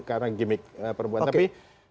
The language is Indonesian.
karena gimmick perbuatan tapi